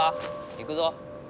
行くぞ。